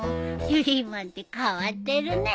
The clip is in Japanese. シュリーマンって変わってるね